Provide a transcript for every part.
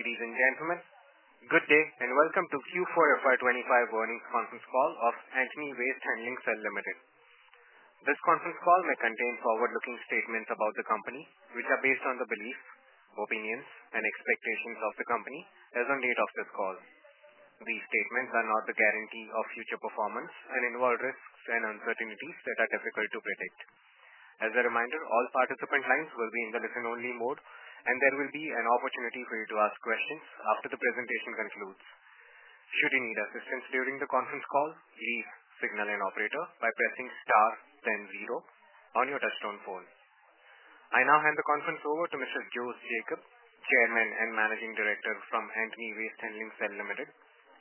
Ladies and gentlemen, good day and welcome to Q4FY25 warning conference call of Antony Waste Handling Cell Limited. This conference call may contain forward-looking statements about the company, which are based on the beliefs, opinions, and expectations of the company as on date of this call. These statements are not the guarantee of future performance and involve risks and uncertainties that are difficult to predict. As a reminder, all participant lines will be in the listen-only mode, and there will be an opportunity for you to ask questions after the presentation concludes. Should you need assistance during the conference call, please signal an operator by pressing star, then zero on your touchstone phone. I now hand the conference over to Mr. Jose Jacob, Chairman and Managing Director from Antony Waste Handling Cell Limited.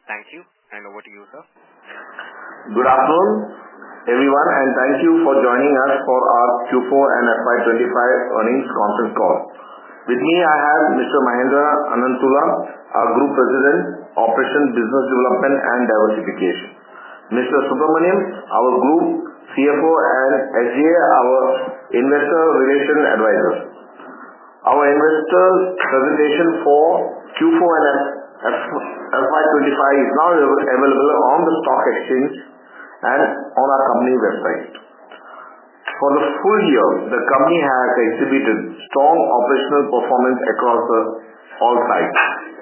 Thank you, and over to you, sir. Good afternoon, everyone, and thank you for joining us for our Q4 and FY25 Earnings Conference Call. With me, I have Mr. Mahendra Ananthula, our Group President, Operation, Business Development, and Diversification, Mr. Subramanian, our Group CFO, and SGA, our Investor Relation Advisor. Our investor's presentation for Q4 and FY25 is now available on the stock exchange and on our company website. For the full year, the company has exhibited strong operational performance across all sides,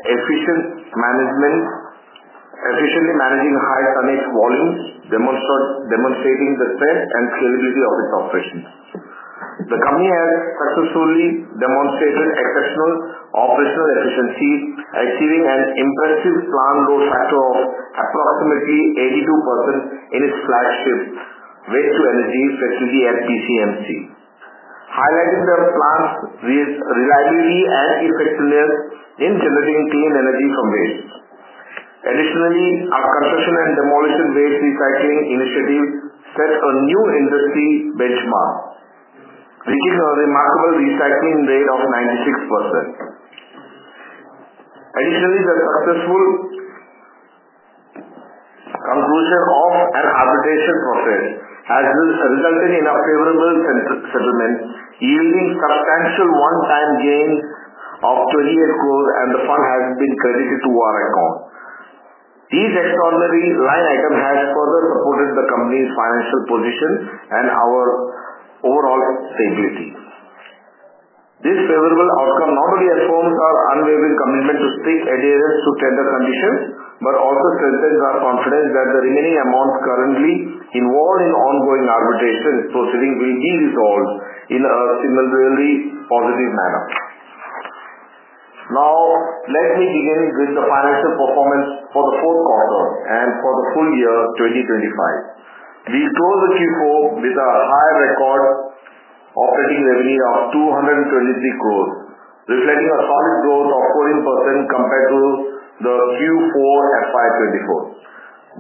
efficiently managing high-turning volumes, demonstrating the strength and scalability of its operations. The company has successfully demonstrated exceptional operational efficiency, achieving an impressive plant load factor, of approximately 82%, in its flagship Waste-to-Energy facility, at PCMC, highlighting the plant's reliability and effectiveness in generating clean energy from waste. Additionally, our construction and demolition waste recycling initiative set a new industry benchmark, reaching a remarkable recycling rate of 96%. Additionally, the successful conclusion of an arbitration process has resulted in a favorable settlement, yielding substantial one-time gains of 28 crore, and the fund has been credited to our account. These extraordinary line items have further supported the company's financial position and our overall stability. This favorable outcome not only affirms our unwavering commitment to strict adherence to tender conditions, but also strengthens our confidence that the remaining amounts currently involved in ongoing arbitration proceedings will be resolved in a similarly positive manner. Now, let me begin with the financial performance for the fourth quarter and for the full year 2025. We close the Q4 with a high record operating revenue, of 223 crore, reflecting a solid growth of 14%, compared to the Q4 FY2024.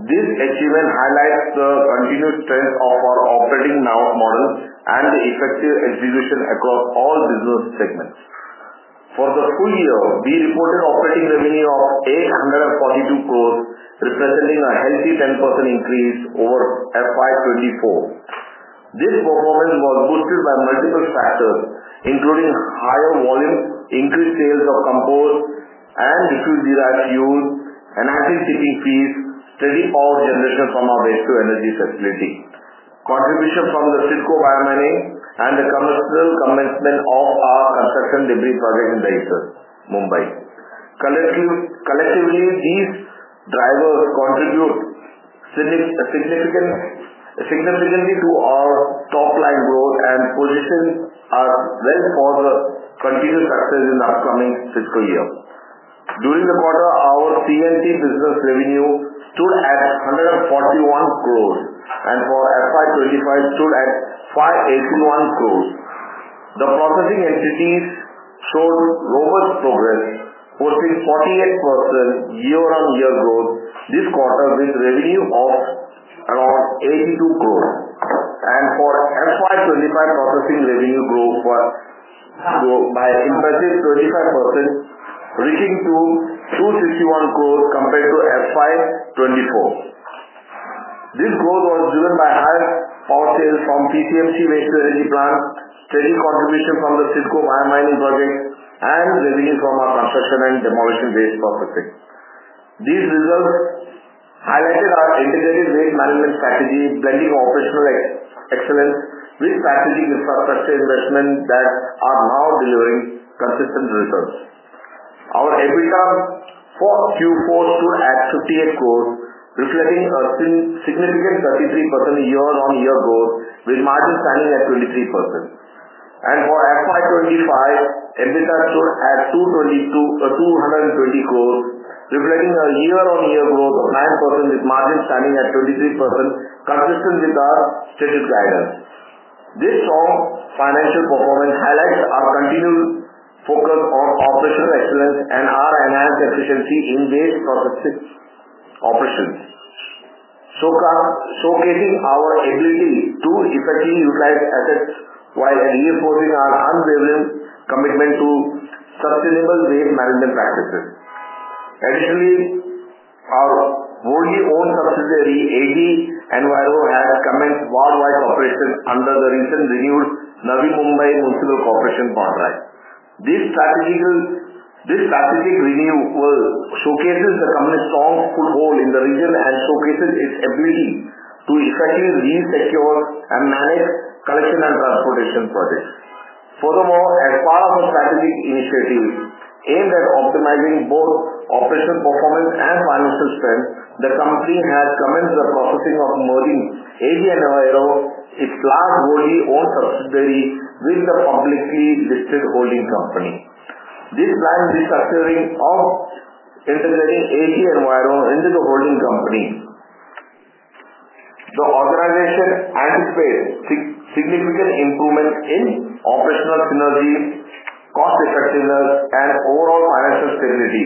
This achievement highlights the continued strength of our operating model and the effective execution across all business segments. For the full year, we reported operating revenue, of 842 crore, representing a healthy 10%, increase over FY 2024. This performance was boosted by multiple factors, including higher volumes, increased sales of compost and Refuse Derived Fuel, enhancing tipping fees, steady power generation from our Waste-to-Energy facility, contribution from the SIDCO BioMNA, and the commercial commencement of our construction debris project in Deonar, Mumbai. Collectively, these drivers contribute significantly to our top line growth and position us well for the continued success in the upcoming fiscal year. During the quarter, our C&T business revenue, stood at 141 crore, and for FY 2025, stood at 581 crore. The processing entities showed robust progress, posting 48%,, year-on-year growth this quarter with revenue of around 82 crore, and for FY 2025, processing revenue, grew by impressive 25%, reaching INR 261 crore compared to FY 2024. This growth was driven by high power sales from PCMC Waste-to-Energy plants, steady contribution from the SIDCO BioMNA project, and revenue from our construction and demolition waste processing. These results highlighted our integrated waste management strategy, blending operational excellence with strategic infrastructure investment that are now delivering consistent returns. Our EBITDA, for Q4 stood at 58 crore, reflecting a significant 33%, year-on-year growth with margin, standing at 23%. For FY2025, EBITDA stood at 220 crore, reflecting a year-on-year growth of 9%, with margin, standing at 23%, consistent with our stated guidance. This strong financial performance highlights our continued focus on operational excellence and our enhanced efficiency in waste processing operations, showcasing our ability to effectively utilize assets while reinforcing our unwavering commitment to sustainable waste management practices. Additionally, our wholly-owned subsidiary, AG Enviro, has commenced worldwide cooperation under the recent renewed Navi Mumbai Municipal Corporation contract strategic. This strategic renewal showcases the company's strong foothold in the region and showcases its ability to effectively resecure and manage collection and transportation projects. Furthermore, as part of a strategic initiative aimed at optimizing both operational performance and financial strength, the company has commenced the process of merging AG Enviro, its large wholly-owned subsidiary, with the publicly listed holding company. With this planned restructuring of integrating AG Enviro, into the holding company, the organization anticipates significant improvements in operational synergy, cost-effectiveness, and overall financial stability,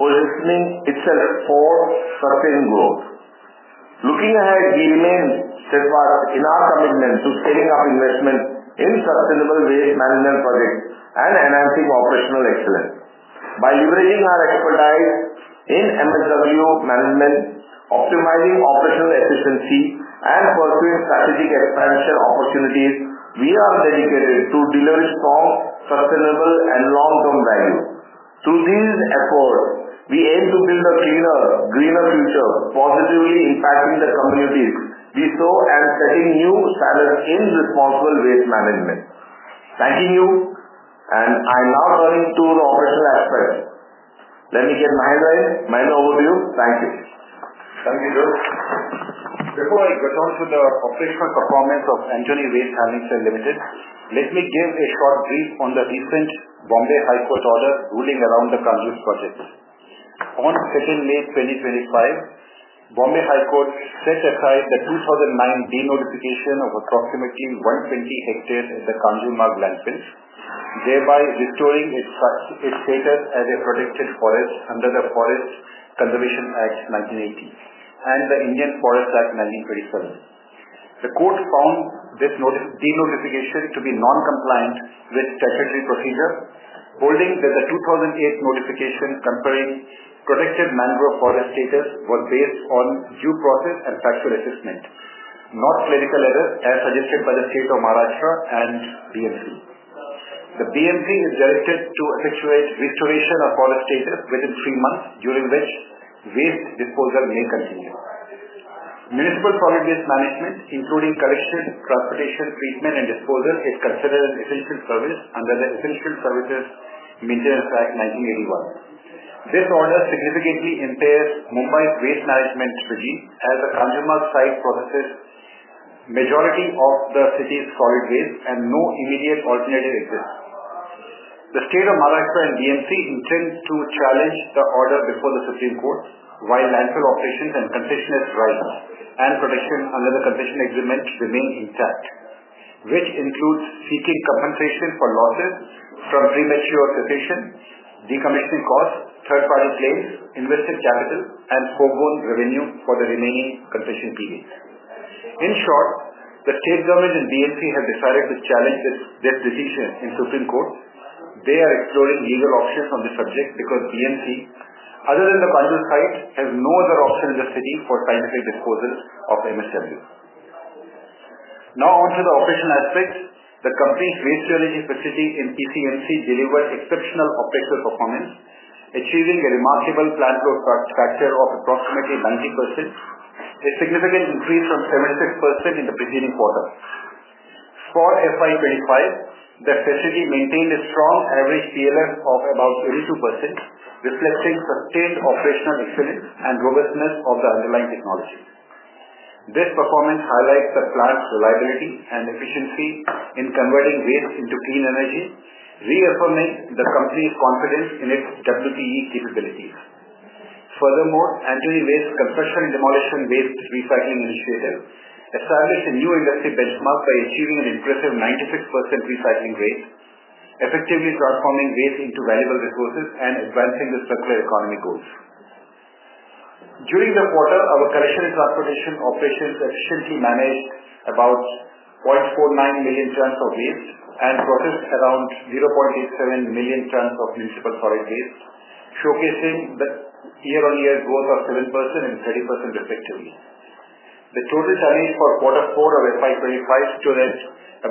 positioning itself for sustained growth. Looking ahead, we remain steadfast in our commitment to scaling up investment in sustainable waste management projects and enhancing operational excellence. By leveraging our expertise in MSW management, optimizing operational efficiency, and pursuing strategic expansion opportunities, we are dedicated to delivering strong, sustainable, and long-term value. Through these efforts, we aim to build a cleaner, greener future, positively impacting the communities we serve and setting new standards in responsible waste management. Thanking you, and I now turn to the operational aspects. Let me get Mahendra in. Mahendra, over to you. Thank you. Thank you, Joe. Before I get on to the operational performance of Antony Waste Handling Cell Limited, let me give a short brief on the recent Bombay High Court, order ruling around the Kanjur project. On 2 May 2025, Bombay High Court, set aside the 2009 denotification of approximately 120 hectares, in the Kanjur Nag landfills, thereby restoring its status as a protected forest under the Forest Conservation Act 1980 and the Indian Forest Act 1927. The court found this denotification to be non-compliant with statutory procedure, holding that the 2008 notification conferring protected mangrove forest status was based on due process and factual assessment, not clerical errors as suggested by the State of Maharashtra and BMC. The BMC, is directed to effectuate restoration of forest status within three months, during which waste disposal may continue. Municipal solid waste management, including collection, transportation, treatment, and disposal, is considered an essential service under the Essential Services Maintenance Act 1981. This order significantly impairs Mumbai's waste management regime, as the Kanjurmarg site processes the majority of the city's solid waste and no immediate alternative exists. The State of Maharashtra and BMC, intend to challenge the order before the Supreme Court, while landfill operations and concession rights and protection under the concession agreement remain intact, which includes seeking compensation for losses from premature cessation, decommissioning costs, third-party claims, invested capital, and foregone revenue, for the remaining concession period. In short, the State Government and BMC, have decided to challenge this decision in the Supreme Court. They are exploring legal options on the subject because BMC, other than the Kanjurmarg site, has no other option in the city for scientific disposal of MSW. Now, on to the operational aspects. The company's waste recycling facility in PCMC, delivered exceptional operational performance, achieving a remarkable plant load factor, of approximately 90%, a significant increase from 76%, in the preceding quarter. For 2025, the facility maintained a strong average PLF, of about 82%, reflecting sustained operational excellence and robustness of the underlying technology. This performance highlights the plant's reliability and efficiency in converting waste into clean energy, reaffirming the company's confidence in its WTE capabilities. Furthermore, Antony Waste's construction and demolition waste recycling initiative, established a new industry benchmark by achieving an impressive 96% recycling rate, effectively transforming waste into valuable resources and advancing the circular economy goals. During the quarter, our collection and transportation operations efficiently managed about 0.49 million tons of waste, and processed around 0.87 million tons of municipal solid waste, showcasing the year-on-year growth of 7% and 30% respectively. The total tonnage for Q4 of FY25 stood at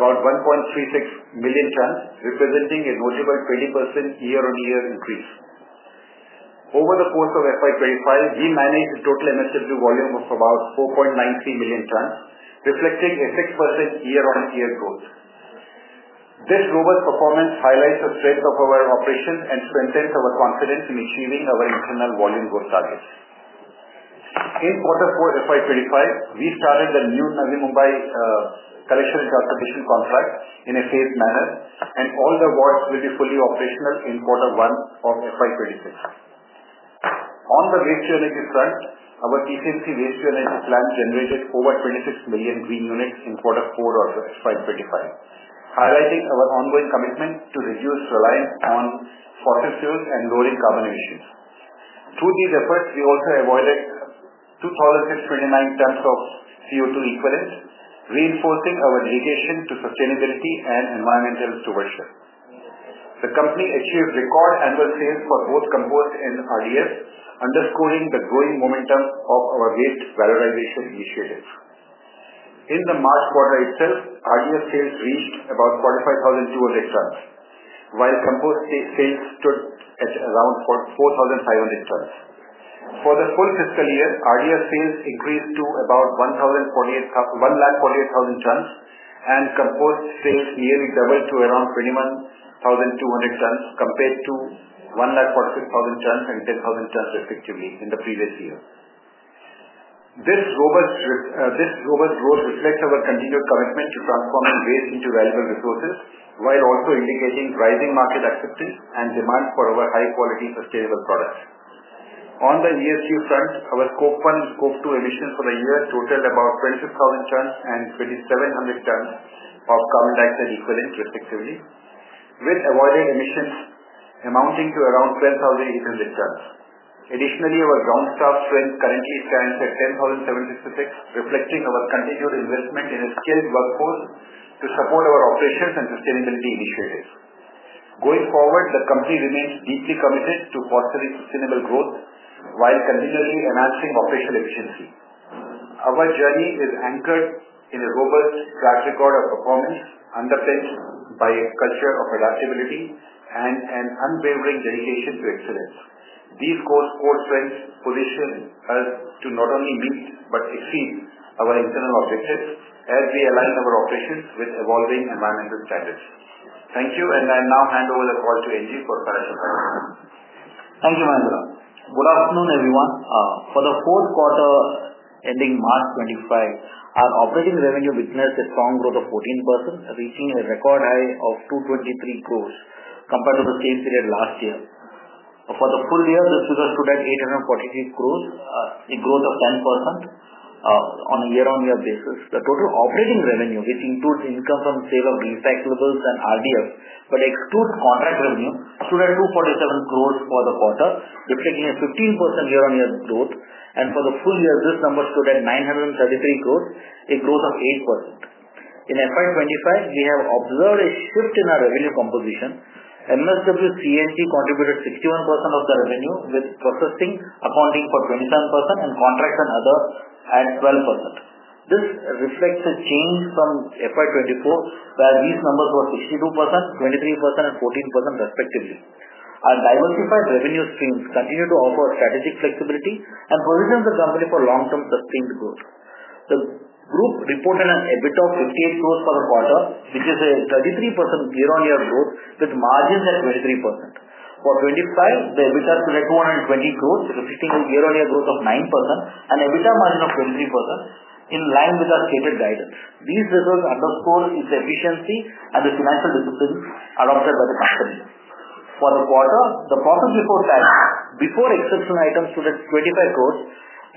about 1.36 million tons, representing a notable 20%, year-on-year increase. Over the course of FY25, we managed a total MSW volume, of about 4.93 million tons, reflecting a 6%, year-on-year growth. This robust performance highlights the strength of our operations and strengthens our confidence in achieving our internal volume growth targets. In quarter four of FY25, we started the new Navi Mumbai collection and transportation contract, in a phased manner, and all the wards will be fully operational in quarter one of FY26. On the waste-to-energy front, our PCMC waste-to-energy plant, generated over 26 million green units, in quarter four of FY25, highlighting our ongoing commitment to reduce reliance on fossil fuels and lowering carbon emissions. Through these efforts, we also avoided 2,629 tons of CO2 equivalent, reinforcing our dedication to sustainability and environmental stewardship. The company achieved record annual sales, for both compost and RDF, underscoring the growing momentum of our waste valorization initiative. In the March quarter itself, RDF sales,, reached about 45,200 tons, while compost sales stood at around 4,500 tons. For the full fiscal year, RDF sales, increased to about 1,148,000 tons, and compost sales, nearly doubled to around 21,200 tons compared to 146,000 tons and 10,000 tons respectively in the previous year. This robust growth reflects our continued commitment to transforming waste into valuable resources, while also indicating rising market acceptance and demand for our high-quality, sustainable products. On the ESG front, our scope one and scope two emissions for the year totaled about 26,000 tons and 2,700 tons of carbon dioxide equivalent respectively, with avoided emissions amounting to around 12,800 tons. Additionally, our ground staff strength currently stands at 10,766, reflecting our continued investment in a skilled workforce to support our operations and sustainability initiatives. Going forward, the company remains deeply committed to fostering sustainable growth while continually enhancing operational efficiency. Our journey is anchored in a robust track record of performance, underpinned by a culture of adaptability and an unwavering dedication to excellence. These core strengths position us to not only meet but exceed our internal objectives as we align our operations with evolving environmental standards. Thank you, and I now hand over the call to Subramanian, for financial cover. Thank you, Mahendra. Good afternoon, everyone. For the fourth quarter ending March 2025, our operating revenue, witnessed a strong growth of 14%, reaching a record high of 223 crore, compared to the same period last year. For the full year, this figure stood at 843 crore, a growth of 10%, on a year-on-year basis. The total operating revenue, which includes income from the sale of recyclables and RDF, but excludes contract revenue, stood at 247 crore, for the quarter, reflecting a 15% year-on-year growth. For the full year, this number stood at 933 crore, a growth of 8%. In FY25, we have observed a shift in our revenue composition. MSW CNG, contributed 61%, of the revenue, with processing accounting for 27%, and contracts and others at 12%. This reflects a change from FY24, where these numbers were 62%, 23%, and 14% respectively. Our diversified revenue streams continue to offer strategic flexibility and position the company for long-term sustained growth. The group reported an EBITDA, of 58 crore, for the quarter, which is a 33%, year-on-year growth, with margins at 23%. For 2025, the EBITDA, stood at 220 crore, reflecting a year-on-year growth of 9%, and an EBITDA margin, of 23%, in line with our stated guidance. These results underscore its efficiency and the financial discipline adopted by the company. For the quarter, the profit before tax before exceptional items stood at 25 crore,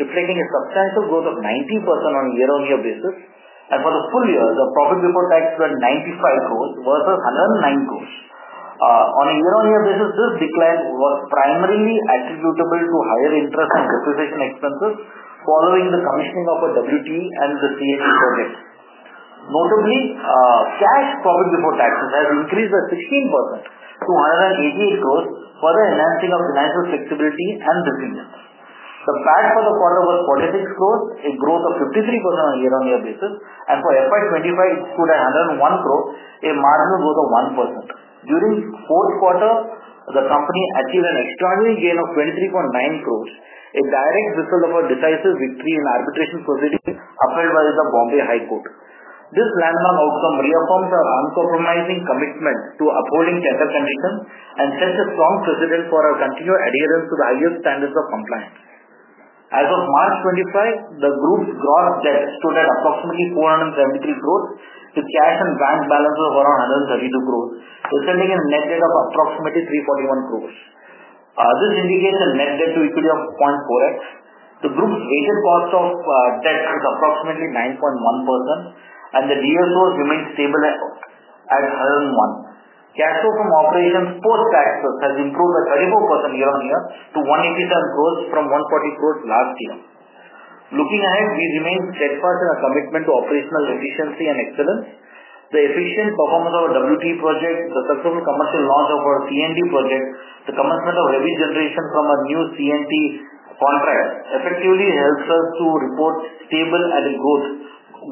reflecting a substantial growth of 90%, on a year-on-year basis. For the full year, the profit before tax, stood at 95 crore, versus 109 crore. On a year-on-year basis, this decline was primarily attributable to higher interest and depreciation expenses following the commissioning of the Waste-to-Energy and the CNG projects. Notably, cash profit before taxes, has increased by 16%, to INR 188 crore, for the enhancing of financial flexibility and resilience. The PAT, for the quarter was INR 46 crore, a growth of 53%, on a year-on-year basis. For FY 2025, it stood at 101 crore, a marginal growth, of 1%. During the fourth quarter, the company achieved an extraordinary gain of 23.9 crore, a direct result of a decisive victory in arbitration proceedings upheld by the Bombay High Court. This landmark outcome reaffirms our uncompromising commitment to upholding tender conditions and sets a strong precedent for our continued adherence to the highest standards of compliance. As of March 2025, the group's gross debt stood at approximately 473 crore, with cash and bank balances, of around 132 crore, resulting in a net debt, of approximately 341 crore. This indicates a net debt-to-equity of 0.4x. The group's weighted cost of debt, is approximately 9.1%, and the DSOs, remained stable at 101. Cash flow from operations post-taxes, has improved by 34%, year-on-year to INR 1,870,000,000 from 1,400,000,000 last year. Looking ahead, we remain steadfast in our commitment to operational efficiency and excellence. The efficient performance of our WTE project, the successful commercial launch of our C&D project, and the commencement of revenue generation, from our new C&T contract, effectively helps us to report stable and growth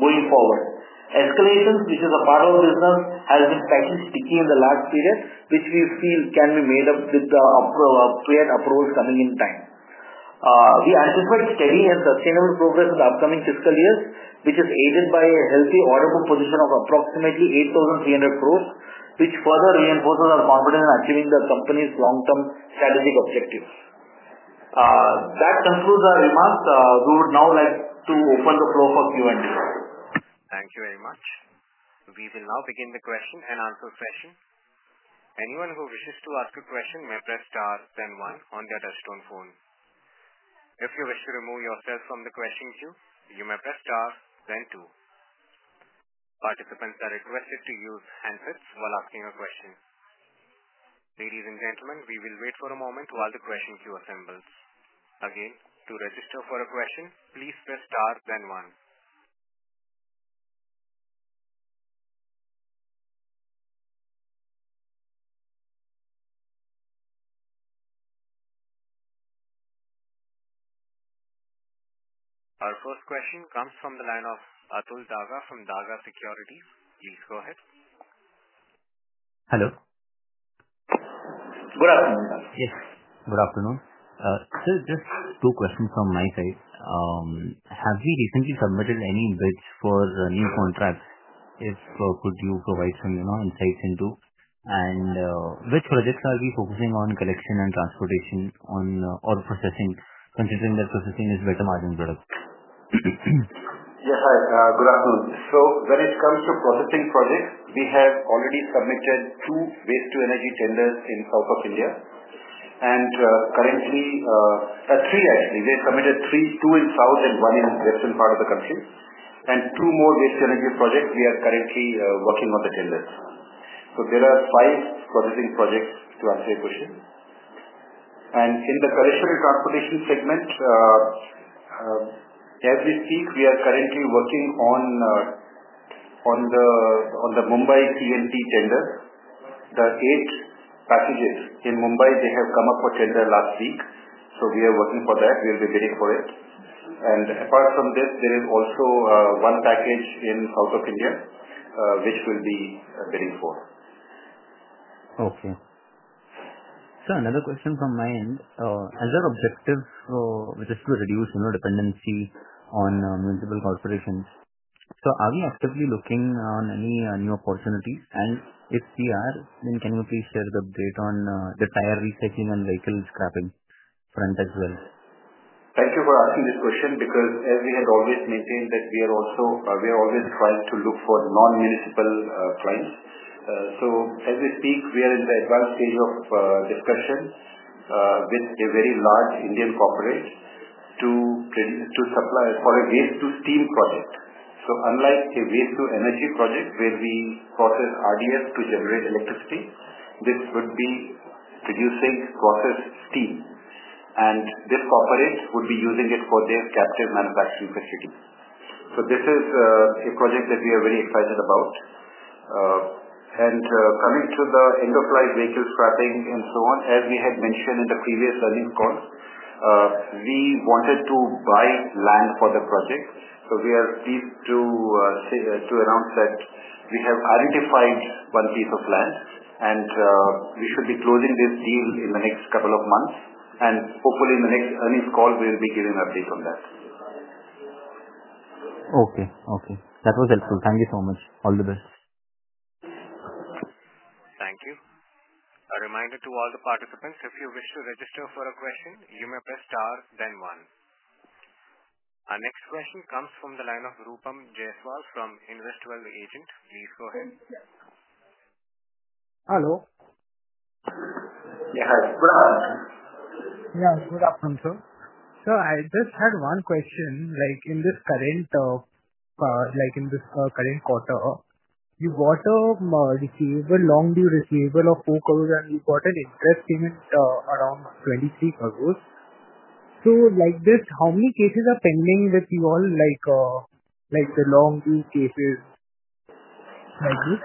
going forward. Escalations, which is a part of our business, have been slightly sticky in the last period, which we feel can be made up with the clear approach coming in time. We anticipate steady and sustainable progress in the upcoming fiscal years, which is aided by a healthy, orderable position of approximately 83,000,000,000, which further reinforces our confidence in achieving the company's long-term strategic objectives. That concludes our remarks. We would now like to open the floor for Q&A. Thank you very much. We will now begin the question and answer session. Anyone who wishes to ask a question may press star then one on their touch-tone phone. If you wish to remove yourself from the question queue, you may press star then two. Participants are requested to use handsets while asking a question. Ladies and gentlemen, we will wait for a moment while the question queue assembles. Again, to register for a question, please press star then one. Our first question comes from the line of Atul Daga, from Daga Securities. Please go ahead. Hello. Good afternoon, sir. Yes, good afternoon. Sir, just two questions from my side. Have we recently submitted any bids for new contracts? If so, could you provide some insights into? Which projects are we focusing on, collection and transportation or processing, considering that processing is a better margin product? Yes, hi. Good afternoon. When it comes to processing projects, we have already submitted two waste-to-energy tenders in the south of India. Actually, three. We have submitted three, two in the south and one in the western part of the country. Two more waste-to-energy projects we are currently working on the tenders. There are five processing projects, to answer your question. In the collection and transportation segment, as we speak, we are currently working on the Mumbai CNT tender. The eight packages in Mumbai, have come up for tender last week. We are working for that. We will be bidding for it. Apart from this, there is also one package in the south of India, which we will be bidding for. Okay. Sir, another question from my end. As our objective is to reduce dependency on municipal corporations, are we actively looking on any new opportunities? If we are, can you please share the update on the tire recycling and vehicle scrapping front as well? Thank you for asking this question because as we have always maintained that we are always trying to look for non-municipal clients. As we speak, we are in the advanced stage of discussion with a very large Indian corporate to supply for a waste-to-steam project. Unlike a waste-to-energy project where we process RDF, to generate electricity, this would be producing processed steam. This corporate would be using it for their captive manufacturing facility. This is a project that we are very excited about. Coming to the end-of-life vehicle scrapping and so on, as we had mentioned in the previous learning calls, we wanted to buy land for the project. We are pleased to announce that we have identified one piece of land, and we should be closing this deal in the next couple of months. Hopefully, in the next earnings call, we will be giving an update on that. Okay. Okay. That was helpful. Thank you so much. All the best. Thank you. A reminder to all the participants, if you wish to register for a question, you may press star then one. Our next question comes from the line of Rupam Jaiswal, from Investwell Agents. Please go ahead. Hello. Yes, hi. Good afternoon. Yeah, good afternoon, sir. Sir, I just had one question. In this current quarter, you bought a receivable, long-due receivable of 4 crore, and you bought an interest payment, around 23 crore. So how many cases are pending with you all, the long-due cases like this?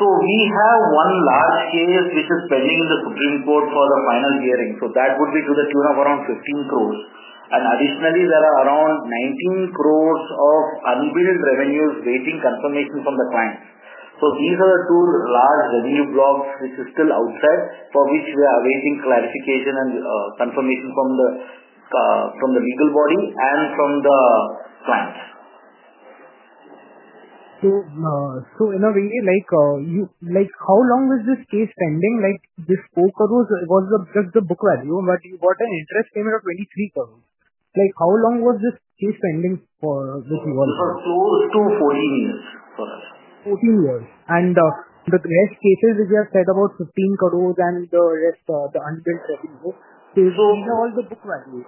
We have one large case which is pending in the Supreme Court, for the final hearing. That would be to the tune of around 15 crore. Additionally, there are around 19 crore, of unbilled revenues, waiting confirmation from the client. These are the two large revenue blocks which are still outside for which we are awaiting clarification and confirmation from the legal body and from the client. In a way, how long was this case pending? This 4 crore, was just the book value, but you bought an interest payment, of 23 crore. How long was this case pending for you all? It was close to 14 years for us. Fourteen years. In the rest cases, as you have said, about 15 crore, and the rest of the unbilled revenue. We have all the book value.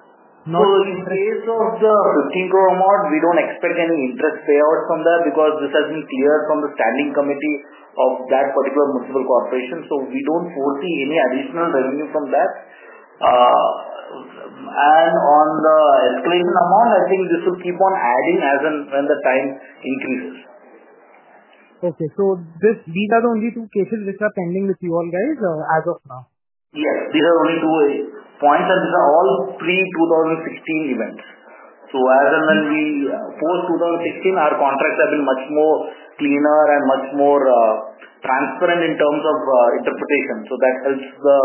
In case of the 15 crore amount, we do not expect any interest payouts from that because this has been cleared from the standing committee of that particular municipal corporation. We do not foresee any additional revenue from that. On the escalation amount, I think this will keep on adding as the time increases. Okay. So these are the only two cases which are pending with you all, guys, as of now? Yes. These are the only two points, and these are all pre-2016 events. As and when we post-2016, our contracts have been much more cleaner and much more transparent in terms of interpretation. That helps the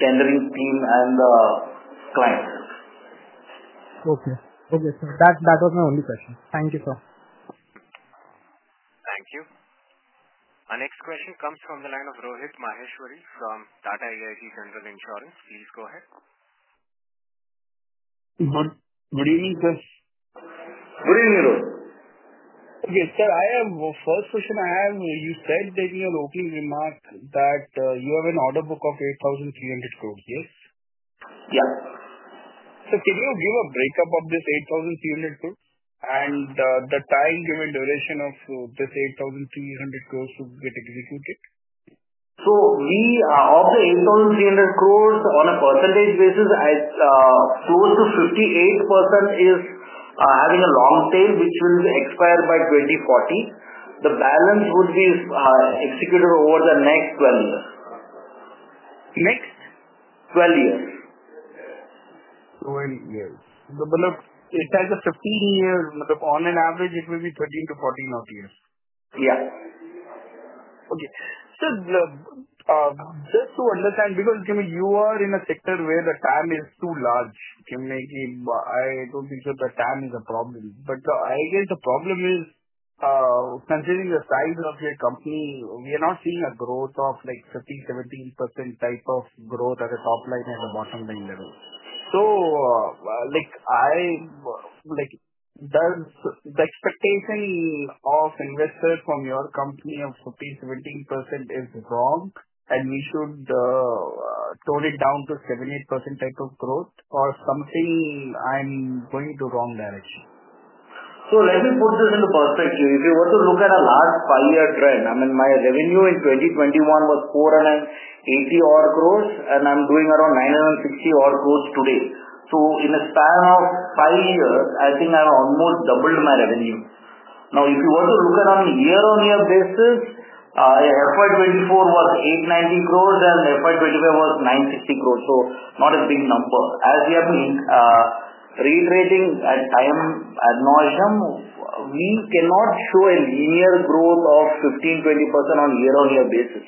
tendering team and the client. Okay. Okay, sir. That was my only question. Thank you, sir. Thank you. Our next question comes from the line of Rohit Maheshwari, from Tata AIG General Insurance. Please go ahead. Good evening, sir. Good evening, Rohit. Okay, sir. First question I have, you said in your opening remark that you have an order book of 8,300 crore. Yes? Yeah. Can you give a breakup of this 8,300 crore,, and the time given duration of this 8,300 crore to get executed? Of the 8,300 crore, on a percentage basis, close to 58%, is having a long tail which will expire by 2040. The balance would be executed over the next 12 years. Next? 12 years. 12 years. Mutluf, it has a 15-year, on an average, it will be 13-14-odd years. Yeah. Okay. Sir, just to understand, because you are in a sector where the time is too large, I don't think the time is a problem. I guess the problem is, considering the size of your company, we are not seeing a growth of like 15-17%, type of growth at the top line and the bottom line level. The expectation of investors from your company of 15-17% is wrong, and we should tone it down to 7-8%, type of growth or something. I'm going in the wrong direction. Let me put this into perspective. If you were to look at a large five-year trend, I mean, my revenue, in 2021 was 480-odd crore, and I'm doing around 960-odd crore today. In the span of five years, I think I've almost doubled my revenue. Now, if you were to look at on a year-on-year basis, FY 2024 was 890 crore, and FY 2025 was 960 crore. Not a big number. As we have been reiterating at time ad nauseam, we cannot show a linear growth of 15%-20%, on a year-on-year basis.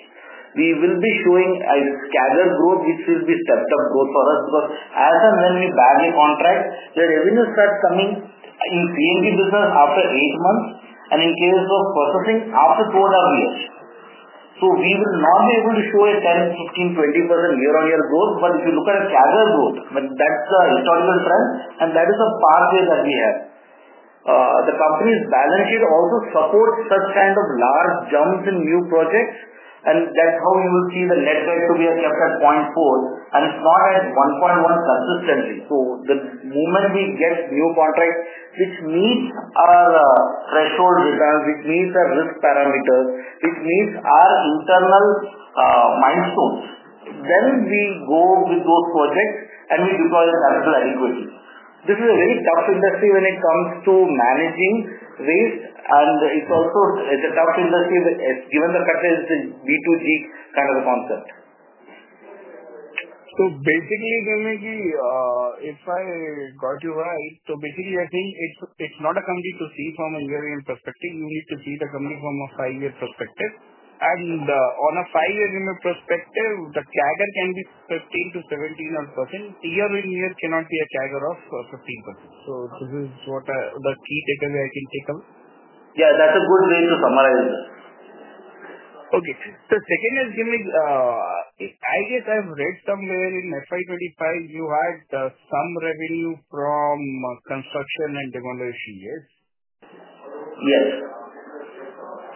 We will be showing a scattered growth, which will be stepped-up growth for us because as and when we bag a contract, the revenue starts coming in CNT business, after eight months, and in case of processing, after 12-odd years. We will not be able to show a 10%-15%-20% year-on-year growth. If you look at a scattered growth, that's the historical trend, and that is a pathway that we have. The company's balance sheet also supports such kind of large jumps in new projects, and that's how you will see the net back to be kept at 0.4, and it's not at 1.1 consistently. The moment we get new contracts which meet our threshold returns, which meet our risk parameters, which meet our internal milestones, then we go with those projects and we deploy the capital adequately. This is a very tough industry when it comes to managing waste, and it's also a tough industry given the fact that it's a B2G, kind of a concept. Basically, if I got you right, basically, I think it's not a company to see from a year-end perspective. You need to see the company from a five-year perspective. And on a five-year perspective, the CAGR, can be 15%-17%-odd. Year-on-year cannot be a CAGR of 15%. This is the key takeaway I can take out. Yeah, that's a good way to summarize this. Okay. Secondly, I guess I've read somewhere in FY 2025, you had some revenue from construction and demolition. Yes? Yes.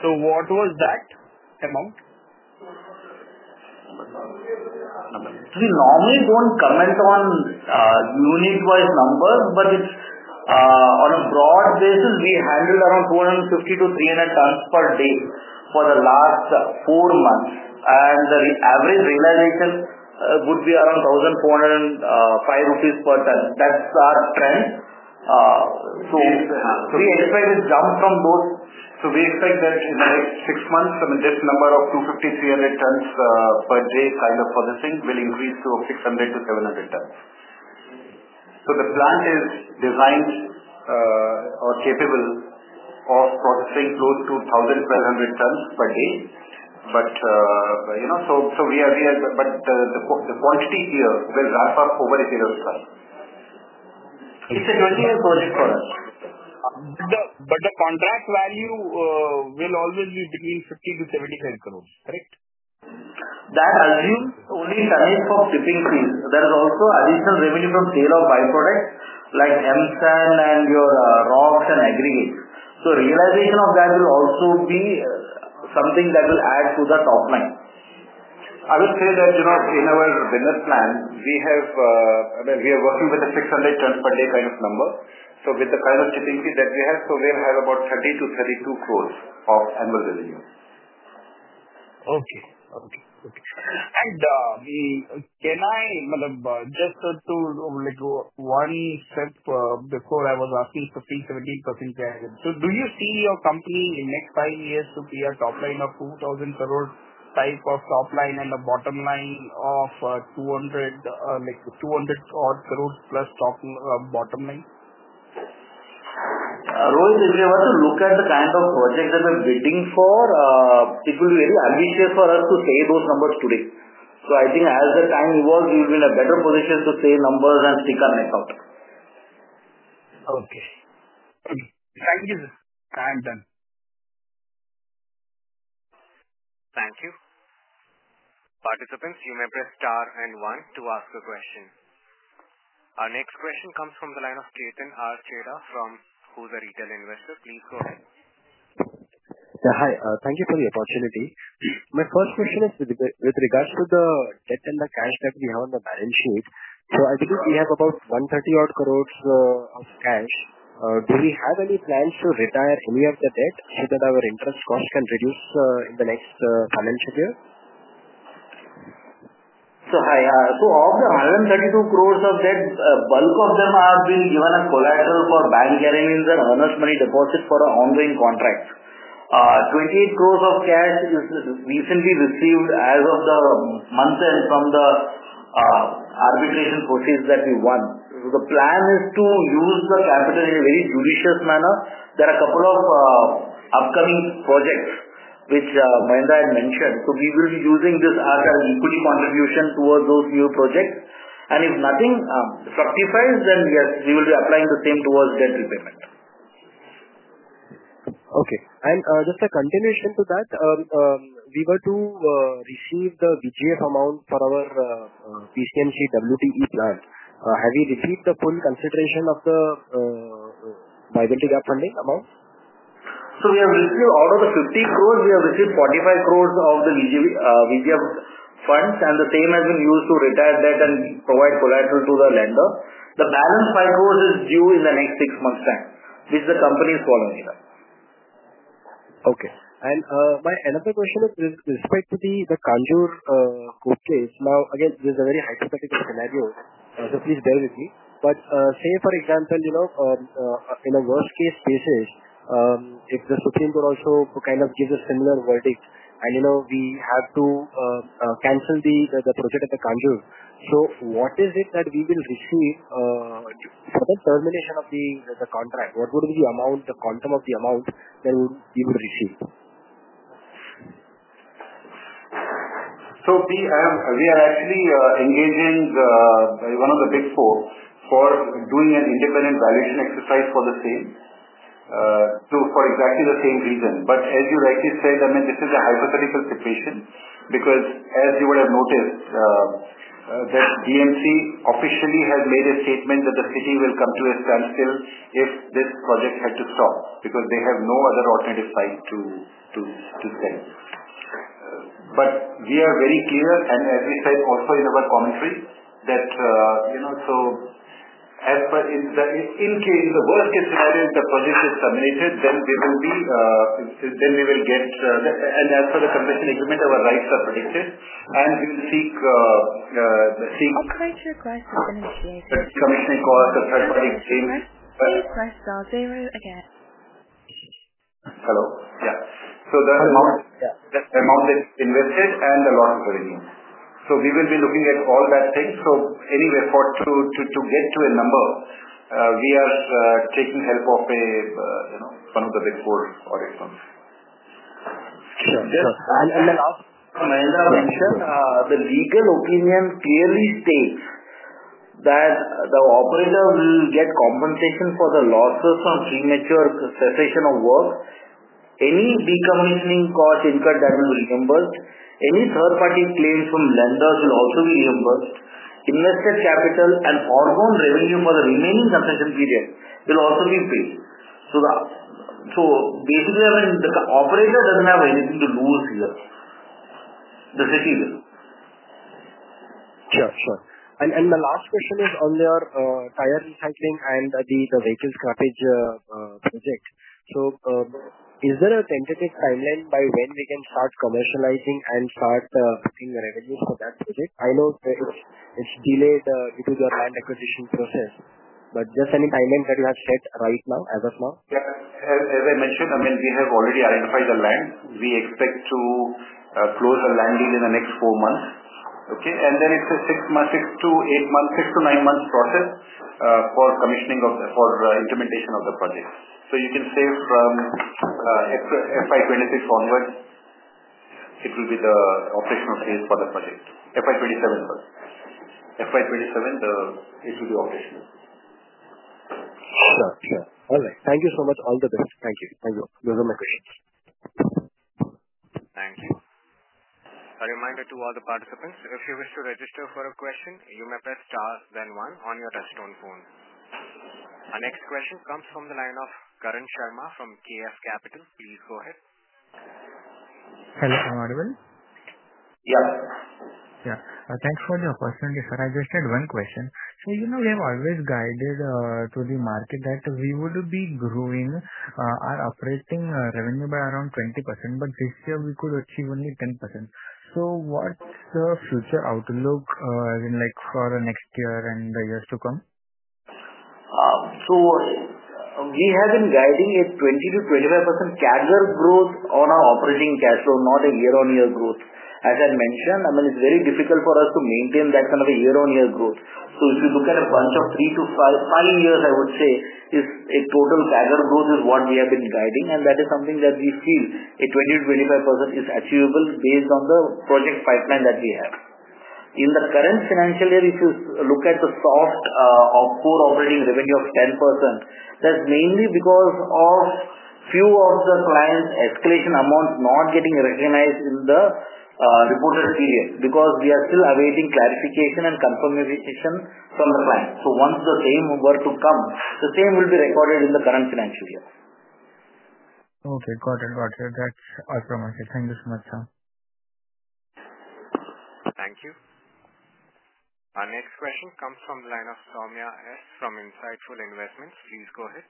What was that amount? We normally do not comment on unit-wise numbers, but on a broad basis, we handled around 250-300 tons, per day for the last four months. The average realization would be around 1,405 rupees per ton. That is our trend. We expect a jump from those. We expect that in the next six months, I mean, this number of 250-300 tons,, per day kind of processing will increase to 600-700 tons. The plant is designed or capable of processing close to 1,200 tons per day. We are here, but the quantity here will ramp up over a period of time. It is a continuing project for us. The contract value will always be between 50 crore and 75 crore. Correct? That assumes only CND, for skipping fees. There is also additional revenue from sale of byproducts like MSW and your rocks and aggregates. So realization of that will also be something that will add to the top line. I would say that in our business plan, we have, I mean, we are working with a 600 tons, per day kind of number. With the kind of skipping fee that we have, we will have about 30-32 crore, of annual revenue. Okay. Okay. Okay. Can I just, to one step before, I was asking 15-17% CAGR, do you see your company in the next five years to be a top line of 2,000 crore, type of top line and a bottom line of 200-odd crore, plus bottom line? Rohit, if you were to look at the kind of project that we are bidding for, it will be very unusual for us to say those numbers today. I think as the time evolves, we will be in a better position to say numbers and stick our neck out. Okay. Thank you, sir. I'm done. Thank you. Participants, you may press star and one to ask a question. Our next question comes from the line of Ketan R. Chedda, from Retail Investor. Please go ahead. Yeah. Hi. Thank you for the opportunity. My first question is with regards to the debt and the cash that we have on the balance sheet. I believe we have about 130-odd crore of cash. Do we have any plans to retire any of the debt so that our interest cost, can reduce in the next financial year? Hi. Of the 132 crore of debt, bulk of them have been given as collateral for bank carrying in the earnest money deposit for an ongoing contract. 28 crore of cash, is recently received as of the month end from the arbitration proceeds that we won. The plan is to use the capital in a very judicious manner. There are a couple of upcoming projects which Mahendra, had mentioned. We will be using this as an equity contribution, towards those new projects. If nothing fructifies, then yes, we will be applying the same towards debt repayment. Okay. And just a continuation to that, we were to receive the VGF amount for our PCMC WTE plant. Have you received the full consideration of the Viability Gap Funding amount? We have received out of the 15 crore, we have received 45 crore of the VGF funds, and the same has been used to retire debt and provide collateral to the lender. The balance INR 5 crore, is due in the next six months' time, which the company is following it up. Okay. My another question is with respect to the Kanjur court case. Now, again, this is a very hypothetical scenario, so please bear with me. For example, in a worst-case basis, if the Supreme Court, also kind of gives a similar verdict and we have to cancel the project at the Kanjur, what is it that we will receive for the termination of the contract? What would be the quantum of the amount that we would receive? We are actually engaging one of the Big Four, for doing an independent valuation exercise for the same for exactly the same reason. As you rightly said, I mean, this is a hypothetical situation because, as you would have noticed, DMC, officially has made a statement that the city will come to a standstill if this project had to stop because they have no other alternative site to sell. We are very clear, and as we said also in our commentary, that in the worst-case scenario, if the project is terminated, then we will get, and as per the concession agreement, our rights are protected, and we will seek. What's Rachel Grice's initiated? Commissioning cost, a third-party claim. Rachel Grice style, zero again. Hello? Yeah. The amount that's invested and the loss of revenue. We will be looking at all that thing. Anyway, to get to a number, we are taking help of one of the Big Four audit firms. Sure. I'll ask Mahendra, again. Mahendra, mentioned, the legal opinion clearly states that the operator will get compensation for the losses from premature cessation of work. Any decommissioning cost incurred, that will be reimbursed. Any third-party claims from lenders will also be reimbursed. Invested capital and outgoing revenue, for the remaining concession period will also be paid. Basically, I mean, the operator does not have anything to lose here. The city will. Sure. Sure. My last question is on their tire recycling and the vehicle scrappage project. Is there a tentative timeline by when we can start commercializing and start booking the revenues for that project? I know it is delayed due to their land acquisition process, but just any timeline that you have set right now, as of now? Yeah. As I mentioned, I mean, we have already identified the land. We expect to close the land deal in the next four months. Okay. Then it is a six to eight months, six to nine months process for commissioning of, for implementation of the project. You can say from FY 2026 onwards, it will be the operational phase for the project. FY 2027, sorry. FY 2027, it will be operational. Sure. Sure. All right. Thank you so much. All the best. Thank you. Thank you. Those are my questions. Thank you. A reminder to all the participants, if you wish to register for a question, you may press star then one on your touchstone phone. Our next question comes from the line of Karan Sharma, from KS Capital. Please go ahead. Hello. I'm Audible. Yeah. Yeah. Thanks for the opportunity, sir. I just had one question. We have always guided to the market that we would be growing our operating revenue by around 20%, but this year we could achieve only 10%. What is the future outlook for the next year and the years to come? We have been guiding a 20-25%, CAGR growth, on our operating cash flow, not a year-on-year growth. As I mentioned, I mean, it's very difficult for us to maintain that kind of a year-on-year growth. If you look at a bunch of three to five years, I would say a total CAGR growth, is what we have been guiding, and that is something that we feel a 20-25%, is achievable based on the project pipeline that we have. In the current financial year, if you look at the soft or core operating revenue, of 10%, that's mainly because of a few of the clients' escalation amounts not getting recognized in the reported period because we are still awaiting clarification and confirmation from the client. Once the same were to come, the same will be recorded in the current financial year. Okay. Got it. Got it. That's awesome, Mahendra. Thank you so much, sir. Thank you. Our next question comes from the line of Soumya S. from Insightful Investments. Please go ahead.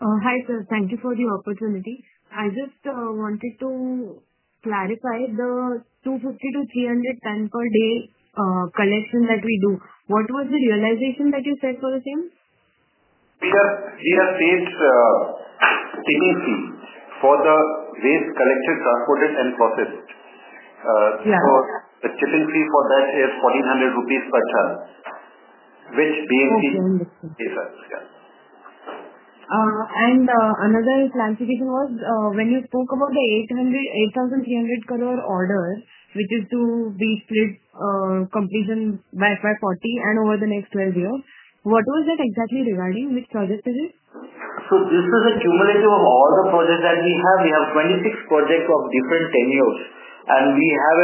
Hi, sir. Thank you for the opportunity. I just wanted to clarify the 250-300 tons, per day collection that we do. What was the realization that you said for the same? We have paid skipping fee for the waste collected, transported, and processed. The skipping fee for that is 1,400 rupees per ton, which BMC. Oh, BMC. Yes, sir. Yeah. Another clarification was when you spoke about the 8,300 crore order, which is to be split completion by 40 and over the next 12 years, what was that exactly regarding? Which project is it? This is a cumulative of all the projects that we have. We have 26 projects, of different tenures, and we have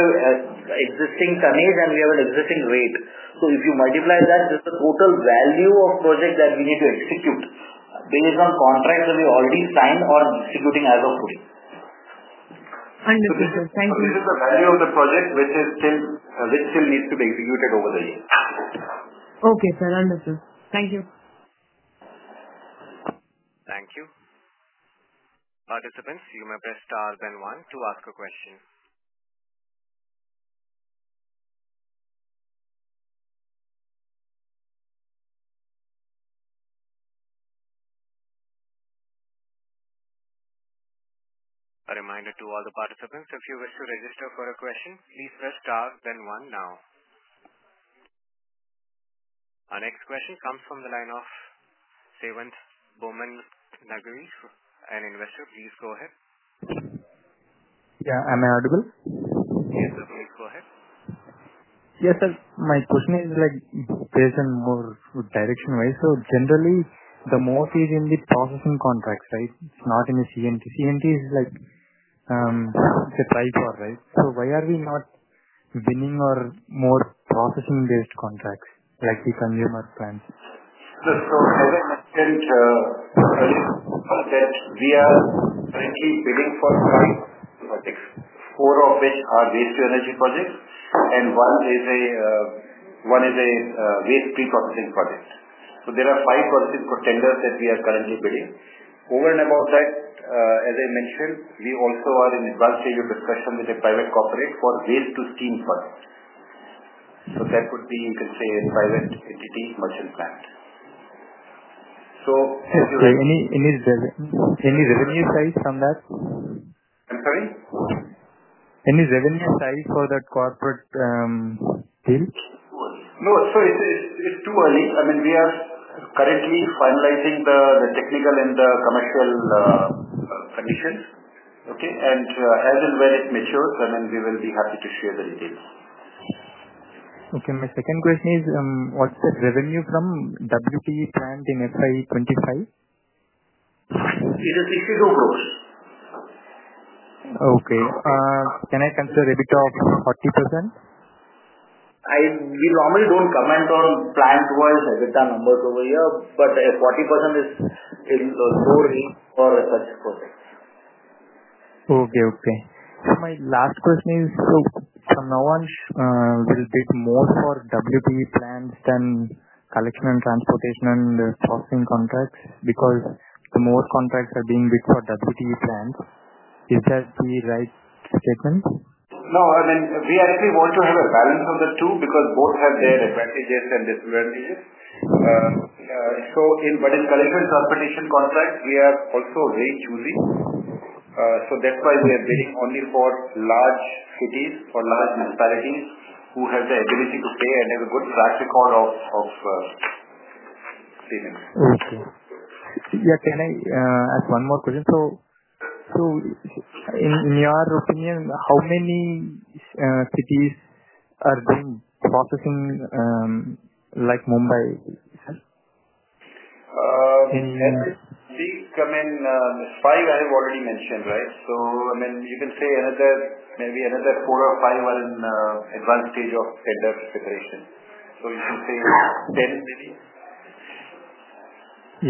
existing tonnage, and we have an existing rate. If you multiply that, this is the total value of project that we need to execute based on contracts that we already signed or executing as of today. Understood, sir. Thank you. This is the value of the project, which still needs to be executed over the year. Okay, sir. Understood. Thank you. Thank you. Participants, you may press star then one to ask a question. A reminder to all the participants, if you wish to register for a question, please press star then one now. Our next question comes from the line of Sevant Burman Naghavi, an investor. Please go ahead. Yeah. I'm audible. Yes, sir. Please go ahead. Yes, sir. My question is based on more direction-wise. So generally, the more fees in the processing contracts, right? It's not in the C&T. C&T, is the tripod, right? So why are we not winning or more processing-based contracts like the consumer plants? As I mentioned earlier, we are currently bidding for five projects, four of which are waste-to-energy projects, and one is a waste pre-processing project. There are five contenders that we are currently bidding. Over and above that, as I mentioned, we also are in advanced stage of discussion with a private corporate for a waste-to-steam project. That would be, you can say, a private entity merchant plant. If you're. Any revenue side from that? I'm sorry? Any revenue side for that corporate deal? No. It's too early. I mean, we are currently finalizing the technical and the commercial conditions. Okay. As and when it matures, I mean, we will be happy to share the details. Okay. My second question is, what's the revenue from WTE plant in FY25? It is INR 62 crore. Okay. Can I consider EBITDA of 40%? We normally don't comment on plant-wise EBITDA, numbers over here, but 40%, is low range for such projects. Okay. Okay. So my last question is, so from now on, we'll bid more for WTE plants, than collection and transportation and processing contracts because the more contracts are being bid for WTE plants. Is that the right statement? No. I mean, we actually want to have a balance of the two because both have their advantages and disadvantages. In collection and transportation contracts, we are also very choosy. That is why we are bidding only for large cities or large municipalities who have the ability to pay and have a good track record of payments. Okay. Yeah. Can I ask one more question? In your opinion, how many cities are doing processing like Mumbai, sir? I mean, five I have already mentioned, right? I mean, you can say maybe another four or five are in advanced stage of tender preparation. You can say 10, maybe.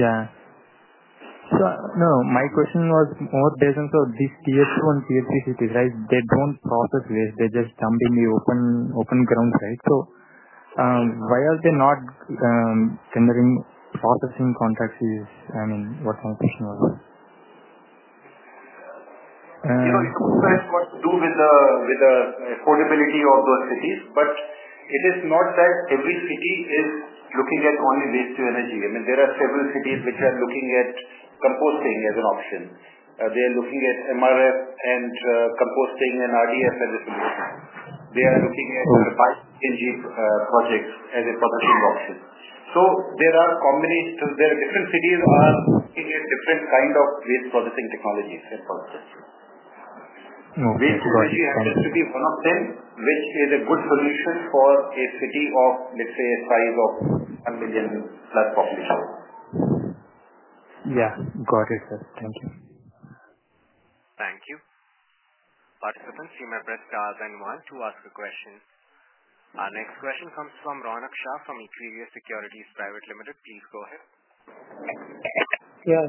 Yeah. No, no. My question was more based on, so these tier 2 and tier 3 cities, right? They do not process waste. They just dump in the open grounds, right? Why are they not tendering processing contracts is, I mean, what my question was. You know, it comes back to what to do with the affordability of those cities, but it is not that every city is looking at only waste-to-energy. I mean, there are several cities which are looking at composting as an option. They are looking at MRF, and composting and RDF as a solution. They are looking at bi-energy projects as a processing option. There are different cities looking at different kinds of waste processing technologies and processing. Waste-to-energy, has to be one of them, which is a good solution for a city of, let's say, a size of 1 million-plus population. Yeah. Got it, sir. Thank you. Thank you. Participants, you may press star then one to ask a question. Our next question comes from Ronak Shah, from Equista Securities Private Limited. Please go ahead. Yeah.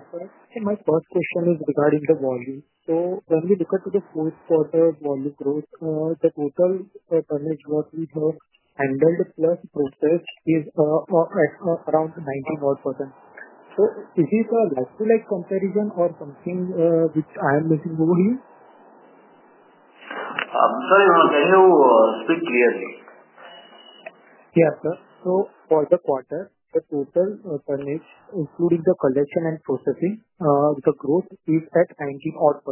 My first question is regarding the volume. When we look at the fourth-quarter volume growth, the total tonnage we have handled plus processed is around 19%. Is it a less-to-like comparison or is there something I am missing here? Sorry, Mahendra. Can you speak clearly? Yeah, sir. For the quarter, the total tonnage, including the collection and processing, the growth is at 19%.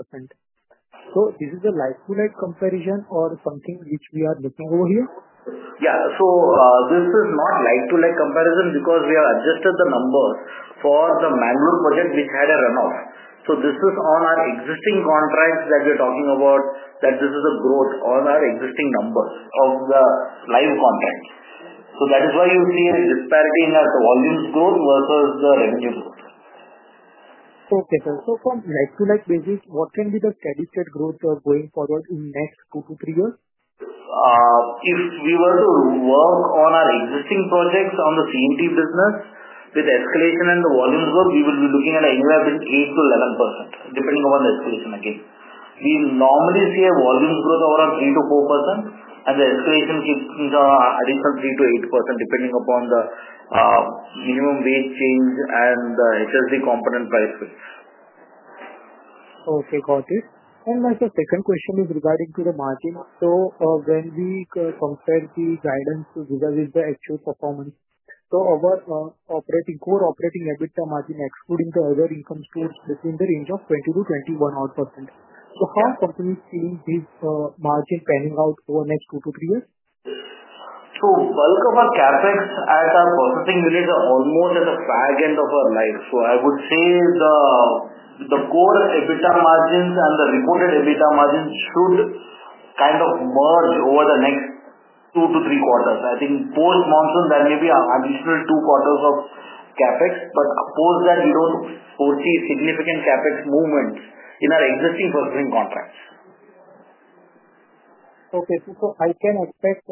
Is this a like-to-like comparison or something which we are looking over here? Yeah. This is not like-to-like comparison because we have adjusted the numbers for the Mangalore project, which had a runoff. This is on our existing contracts that we are talking about, that this is a growth on our existing numbers of the live contract. That is why you see a disparity in the volume's growth versus the revenue growth. Okay, sir. From like-to-like basis, what can be the steady-state growth going forward in the next two to three years? If we were to work on our existing projects on the C&T business, with escalation and the volume's growth, we will be looking at anywhere between 8-11%, depending upon the escalation again. We normally see a volume growth of around 3-4%, and the escalation keeps additional 3-8%, depending upon the minimum waste change and the HSD component price rate. Okay. Got it. My second question is regarding to the margin. When we compare the guidance vis-à-vis the actual performance, our core operating EBITDA margin, excluding the other income streams, is in the range of 20-21%. How are companies seeing this margin panning out over the next two to three years? Bulk of our CapEx, at our processing units are almost at the fragment of our life. I would say the core EBITDA margins, and the reported EBITDA margins, should kind of merge over the next two to three quarters. I think post-monsoon, there may be an additional two quarters of CapEx, but post that, we do not foresee significant CapEx, movement in our existing processing contracts. Okay. So I can expect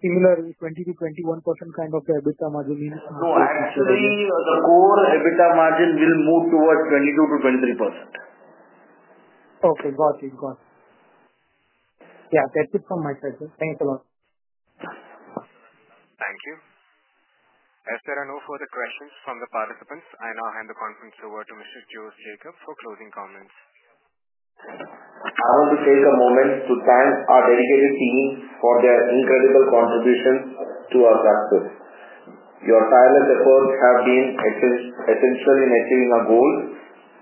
similar 20-21% kind of EBITDA margin? No. Actually, the core EBITDA margin, will move towards 22-23%. Okay. Got it. Got it. Yeah. That's it from my side, sir. Thanks a lot. Thank you. As there are no further questions from the participants, I now hand the conference over to Mr. Jose Jacob, for closing comments. I want to take a moment to thank our dedicated team for their incredible contributions to our success. Your tireless efforts have been essential in achieving our goals,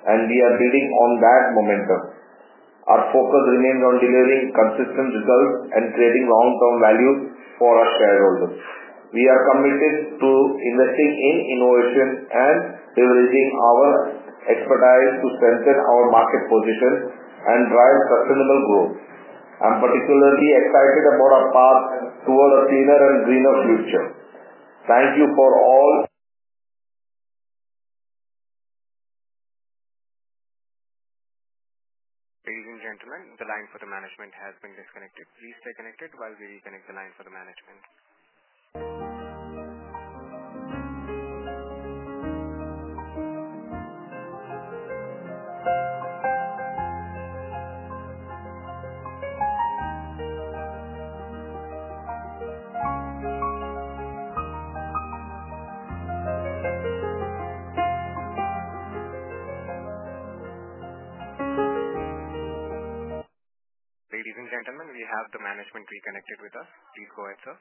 and we are building on that momentum. Our focus remains on delivering consistent results and creating long-term value for our shareholders. We are committed to investing in innovation and leveraging our expertise to strengthen our market position and drive sustainable growth. I'm particularly excited about our path toward a cleaner and greener future. Thank you for all. Ladies and gentlemen, the line for the management has been disconnected. Please stay connected while we reconnect the line for the management. Ladies and gentlemen, we have the management reconnected with us. Please go ahead, sir.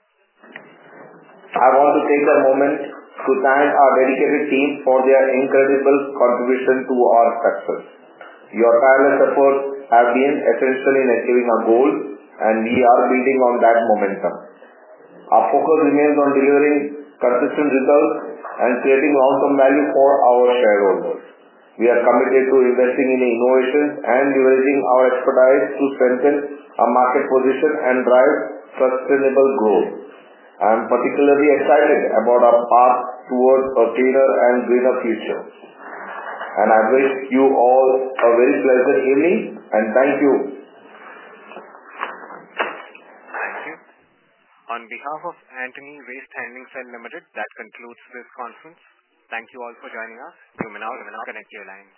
I want to take a moment to thank our dedicated team for their incredible contribution to our success. Your tireless efforts have been essential in achieving our goals, and we are building on that momentum. Our focus remains on delivering consistent results and creating long-term value for our shareholders. We are committed to investing in innovation and leveraging our expertise to strengthen our market position and drive sustainable growth. I'm particularly excited about our path toward a cleaner and greener future. I wish you all a very pleasant evening, and thank you. Thank you. On behalf of Antony Waste Handling Cell Limited, that concludes this conference. Thank you all for joining us. You may now reconnect your lines.